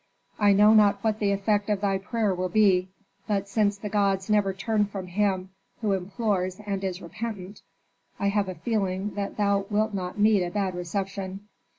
"I know not what the effect of thy prayer will be; but since the gods never turn from him who implores and is repentant, I have a feeling that thou wilt not meet a bad reception.